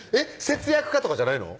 節約家とかじゃないの？